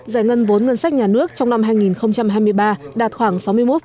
giải ngân vốn ngân sách nhà nước trong năm hai nghìn hai mươi ba đạt khoảng sáu mươi một